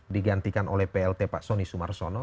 digantikan oleh plt pak soni sumarsono